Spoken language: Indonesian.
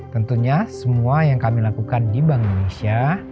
tentunya semua yang kami lakukan di bank indonesia